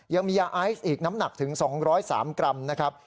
ยังมียาไอซ์อีกน้ำหนักถึง๒๐๓กรัมนะครับ